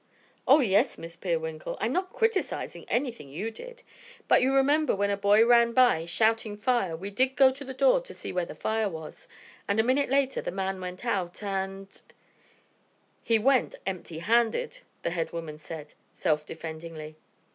"Oh, yes, Miss Peerwinkle. I'm not criticizing anything you did. But you remember when a boy ran by shouting fire, we did go to the door to see where the fire was and a minute later the man went out and " "He went empty handed," the head woman said self defendingly.